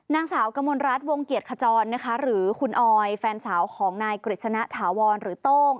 นางสาวกมลรัฐวงเกียรติขจรนะคะหรือคุณออยแฟนสาวของนายกฤษณะถาวรหรือโต้ง